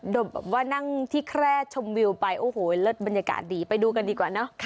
แบบว่านั่งที่แคร่ชมวิวไปโอ้โหเลิศบรรยากาศดีไปดูกันดีกว่าเนอะ